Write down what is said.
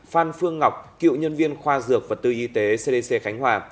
phan phương ngọc cựu nhân viên khoa dược vật tư y tế cdc khánh hòa